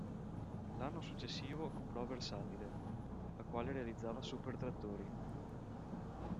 L'anno successivo comprò Versatile, la quale realizzava super-trattori.